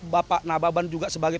bapak nababan juga sebagai